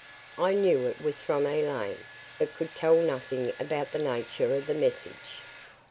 I knew it was from Elaine, but could tell nothing about the nature of the message.